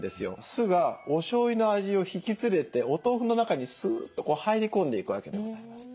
酢がおしょうゆの味を引き連れてお豆腐の中にすっと入り込んでいくわけでございます。